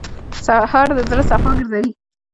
سهار د زړه صفا ګرځوي.